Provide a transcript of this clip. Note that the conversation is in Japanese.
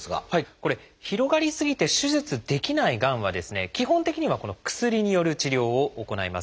これ広がり過ぎて手術できないがんは基本的にはこの薬による治療を行います。